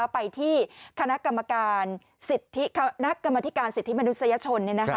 ไปที่คณะกรรมการสิทธิคณะกรรมธิการสิทธิมนุษยชน